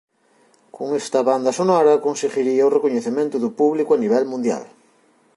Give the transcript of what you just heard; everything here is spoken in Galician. Con esta banda sonora conseguiría o recoñecemento do público a nivel mundial.